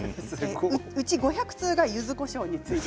うち５００通がゆずこしょうについて。